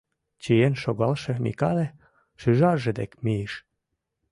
Чиен шогалше Микале шӱжарже дек мийыш.